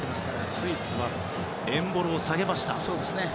スイスはエンボロを下げました。